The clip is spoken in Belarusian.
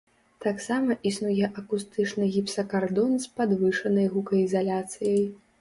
Таксама існуе акустычны гіпсакардон з падвышанай гукаізаляцыяй.